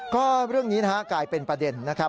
ก็เรื่องนี้นะฮะกลายเป็นประเด็นนะครับ